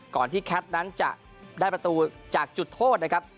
ก่อนที่แคทนั้นจะได้ประตูจากจุดโทษนะครับ